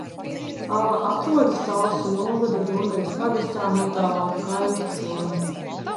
Ala atrodas Talsu novada Dundagas pagastā, netālu no Kaļķu ciema.